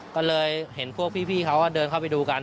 ก็เลยเห็นพวกพี่เขาก็เดินเข้าไปดูกัน